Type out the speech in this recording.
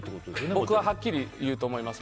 僕は、はっきり言うと思います。